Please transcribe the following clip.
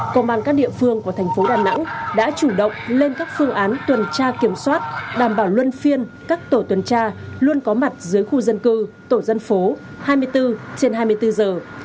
công an các địa phương của thành phố đà nẵng đã chủ động lên các phương án tuần tra kiểm soát đảm bảo luân phiên các tổ tuần tra luôn có mặt dưới khu dân cư tổ dân phố hai mươi bốn trên hai mươi bốn giờ